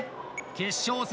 決勝戦